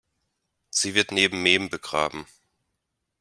Sie wird neben Mem begraben.